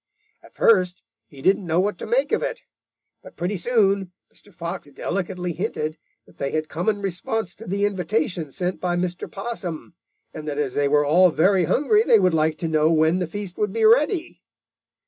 At first he didn't know what to make of it, but pretty soon Mr. Fox delicately hinted that they had come in response to the invitation sent by Mr. Possum, and that as they were all very hungry, they would like to know when the feast would be ready.